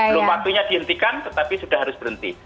belum waktunya dihentikan tetapi sudah harus berhenti